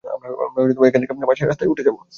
আমরা এখান থেকে পাশের রাস্তায় উঠে যাব।